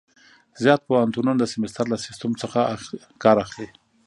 زیات پوهنتونونه د سمستر له سیسټم څخه کار اخلي.